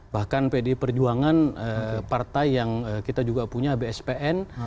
bahkan pdi perjuangan partai yang kita juga punya bspn